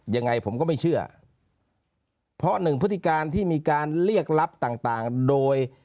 ยังไงผมก็ไม่เชื่อเพราะหนึ่งพฤติการที่มีการเรียกรับต่างต่างโดย